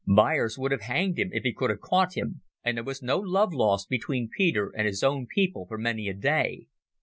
Beyers would have hanged him if he could have caught him, and there was no love lost between Peter and his own people for many a day.